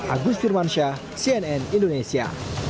agus firmansyah cnn indonesia